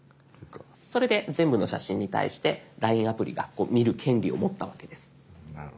それで全部の写真に対してＬＩＮＥアプリが見る権利を持ったわけです。